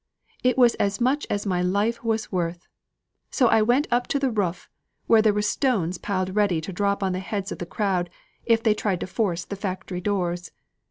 It was as much as my life was worth. So I went up to the roof, where there were stones piled ready to drop on the heads of the crowd, if they tried to force the factory doors.